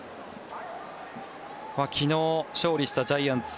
昨日、勝利したジャイアンツ